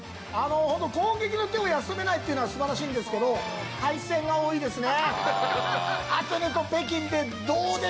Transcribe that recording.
本当、攻撃の手を休めないのは素晴らしいんですけど敗戦が多いですね。